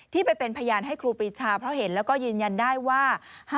ไปเป็นพยานให้ครูปรีชาเพราะเห็นแล้วก็ยืนยันได้ว่า